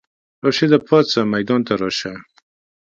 راشده پاڅه ميدان ته راشه!